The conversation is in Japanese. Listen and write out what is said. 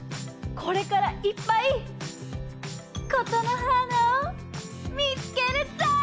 これからいっぱい「ことのはーな」をみつけるぞ！